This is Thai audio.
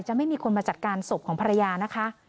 ไม่มีคนมาจัดการศพของภรรยานะคะ